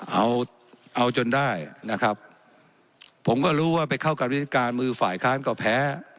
เอาเอาจนได้นะครับผมก็รู้ว่าไปเข้ากับวิธีการมือฝ่ายค้านก็แพ้